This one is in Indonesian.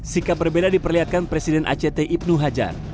sikap berbeda diperlihatkan presiden act ibnu hajar